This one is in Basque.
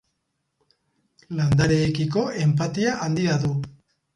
Landareekiko enpatia handia du.